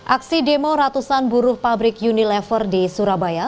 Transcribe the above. aksi demo ratusan buruh pabrik unilever di surabaya